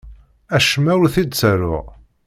Acemma ur t-id-ttaruɣ.